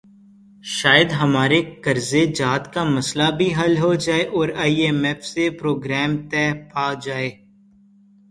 شاید ہمارے قرضہ جات کا مسئلہ بھی حل ہو جائے اور آئی ایم ایف سے پروگرام طے پا جائے۔